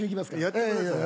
やってください。